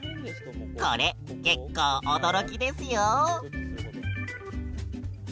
これ結構驚きですよ。